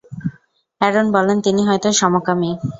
Aaron বলেন, তিনি হয়ত সমকামী।